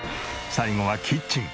最後はキッチン。